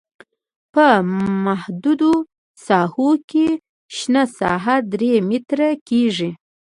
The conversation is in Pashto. په محدودو ساحو کې شنه ساحه درې متره کیږي